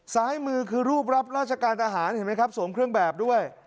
ซ้ายมือคือรูปรับราชการทหารเห็นไหมครับสวมเครื่องแบบด้วย